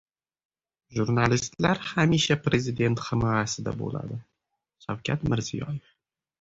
"Jurnalistlar hamisha Prezident himoyasida bo‘ladi"— Shavkat Mirziyoyev